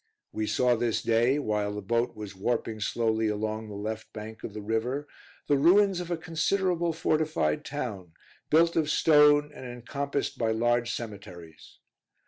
We saw this day, while the boat was warping slowly along the left bank of the river, the ruins of a considerable fortified town, built of stone and encompassed by large cemeteries.